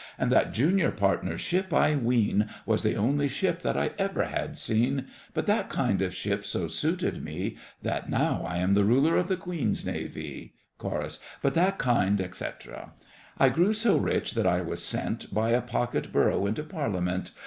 And that junior partnership, I ween, Was the only ship that I ever had seen. But that kind of ship so suited me, That now I am the Ruler of the Queen's Navee! CHORUS. But that kind, etc. I grew so rich that I was sent By a pocket borough into Parliament.